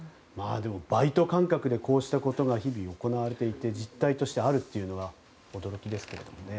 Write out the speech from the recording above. バイト感覚でこうしたことが日々行われていて実態としてあるというのが驚きですね。